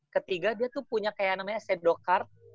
ketiga dia tuh punya kayak namanya sedokar